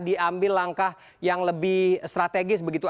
diambil langkah yang lebih strategis begitu